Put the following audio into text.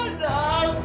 udah sabar roadmap